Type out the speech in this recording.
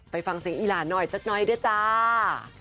ไปฟังเสียงอีหลานหน่อยสักหน่อยด้วยจ้า